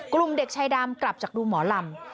กลุ่มเด็กชายดำกลับจากดูหมอลำ